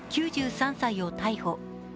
９３歳を逮捕。